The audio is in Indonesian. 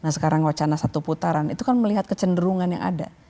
nah sekarang wacana satu putaran itu kan melihat kecenderungan yang ada